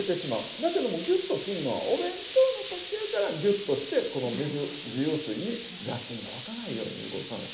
だけどもギュッとするのはお弁当の時やからギュッとしてこの水自由水に雑菌がわかないようにいうことを考える。